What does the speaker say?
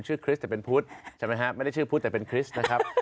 ชื่อคริสไม่ได้ชื่อพุธแต่เป็นคริสนะครับ